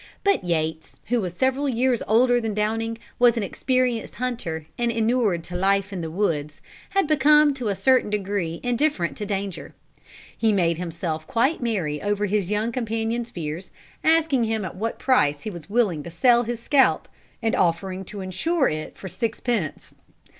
But Yates, who was several years older than Downing, was an experienced hunter and inured to life in the woods, had become to a certain degree indifferent to danger. He made himself quite merry over his young companion's fears, asking him at what price he was willing to sell his scalp, and offering to insure it for sixpence.